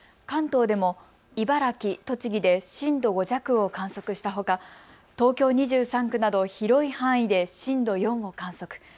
関東でも茨城、栃木で震度５弱を観測したほか東京２３区など広い範囲で震度４を観測。